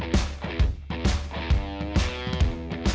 kemarin katanya terlalu mewah pak rumah menteri pak